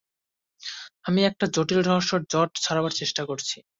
আমি একটা জটিল রহস্যের জট ছাড়াবার চেষ্টা করছি।